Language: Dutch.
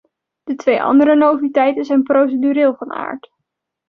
De twee andere noviteiten zijn procedureel van aard.